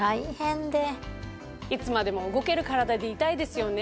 いつまでも動けるカラダでいたいですよね。